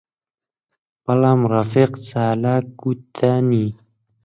بەڵام ڕەفیق چالاک گوتەنی: